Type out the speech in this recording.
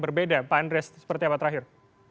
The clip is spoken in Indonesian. berbeda pak andreas seperti apa terakhir